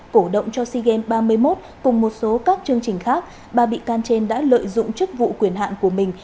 cổ động cho sea games ba mươi một cùng một số các chương trình khác ba bị can trên đã lợi dụng chức vụ quyền hạn của mình